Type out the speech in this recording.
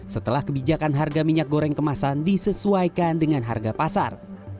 setelah kebijakan harga minyak goreng kemasan disesuaikan dengan harga pasar